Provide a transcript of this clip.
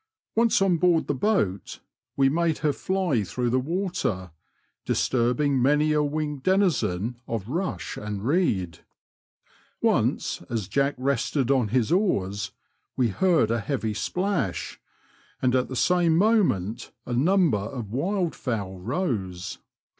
Once on board the boat, we made her fly through the water, disturbing many a winged denizen of rush and reed. Once, as Jack rested on his oars, we heard a heavy splash, and at the same moment a number of wild fowl rose.